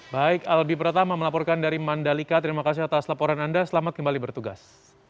baik albi pratama melaporkan dari mandalika terima kasih atas laporan anda selamat kembali bertugas